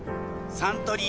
サントリー